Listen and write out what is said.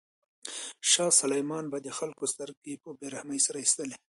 شاه سلیمان به د خلکو سترګې په بې رحمۍ سره ایستلې.